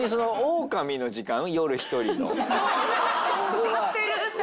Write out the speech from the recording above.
使ってる！